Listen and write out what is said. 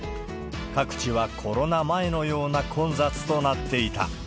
各地はコロナ前のような混雑となっていた。